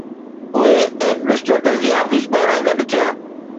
اهي ايڊمنسٽريٽر جي آفيس ٻاهران گڏ ٿيا